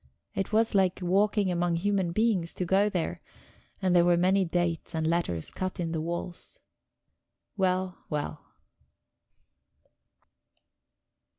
It was like walking among human beings to go there; and there were many dates and letters cut in the walls. Well, well...